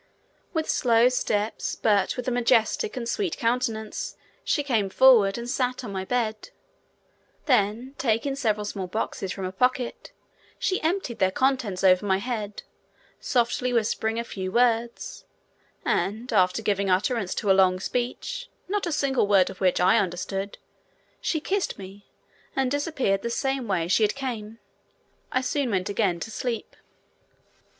With slow steps, but with a majestic and sweet countenance, she came forward and sat on my bed; then taking several small boxes from her pocket, she emptied their contents over my head, softly whispering a few words, and after giving utterance to a long speech, not a single word of which I understood, she kissed me and disappeared the same way she had come. I soon went again to sleep.